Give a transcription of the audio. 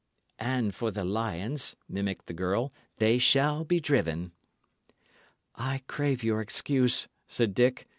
"And for the lions," mimicked the girl, "they shall be driven." "I crave your excuse," said Dick.